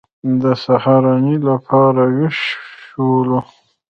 د سهارنۍ لپاره وېښ شولو.